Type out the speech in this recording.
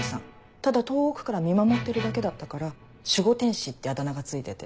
ただ遠くから見守ってるだけだったから守護天使ってあだ名が付いてて。